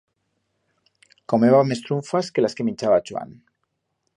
Comeba mes trunfas que las que minchaba Chuan.